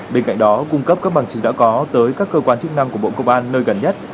bên cạnh đó cung cấp các bằng chứng đã có tới các cơ quan chức năng của bộ công an nơi gần nhất